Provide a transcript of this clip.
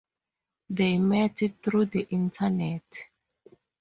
They met through the internet.